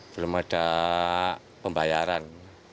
belum ada pembayaran